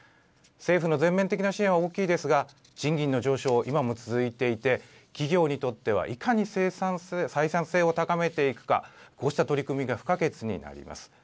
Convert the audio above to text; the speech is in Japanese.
政府の全面的な支援は大きいですが賃金の上昇、今も続いていて企業にとってはいかに採算性を高めていくかこうした取り組みが不可欠になります。